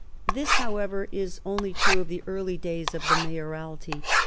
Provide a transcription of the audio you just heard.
This, however, is only true of the early days of the mayoralty.